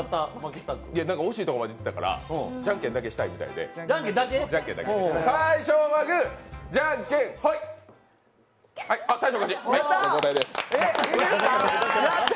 惜しいところまでいったからじゃんけんだけしたいんですって。